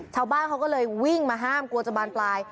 ชาวบ้านเขาก็เลยวิ่งมาห้ามกลัวจะบานปลาย